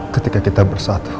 ketika kita bersatu